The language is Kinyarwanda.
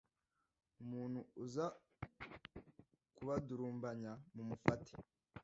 umuntu uza kubadurumbanya mumufate